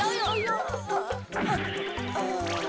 あっああ。